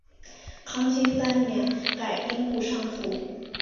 康熙三年改兵部尚书。